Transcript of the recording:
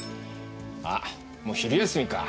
あもう昼休みか。